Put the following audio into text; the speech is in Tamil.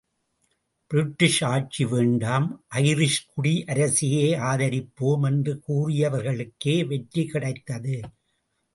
பிரிட்டிஷ் ஆட்சி வேண்டாம், ஐரிஷ் குடியரசையே ஆதரிப்போம் என்று கூறியவர்களுக்கே வெற்றி கிடைத்தது.